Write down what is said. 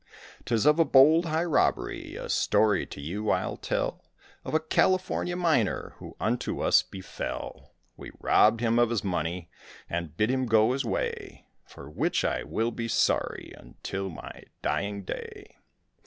'Tis of a bold, high robbery, a story to you I'll tell, Of a California miner who unto us befell; We robbed him of his money and bid him go his way, For which I will be sorry until my dying day.